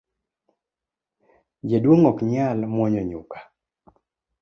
Jaduong’ ok nyal mwonyo nyuka